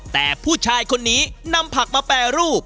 แต่ผู้ชายคนนี้นำผักมาแปรรูป